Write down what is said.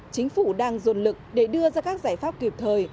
chính phủ đang dồn lực để đưa ra các giải pháp kịp thời